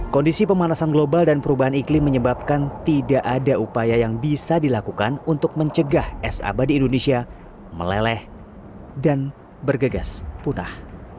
kondisi pemanasan global dan perubahan iklim menyebabkan tidak ada upaya yang bisa dilakukan untuk mencegah es abadi indonesia meleleh dan bergegas punah